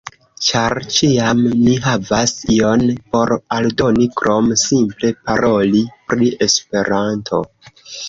Ĉar ĉiam ni havis ion por aldoni krom simple paroli pri Esperanto.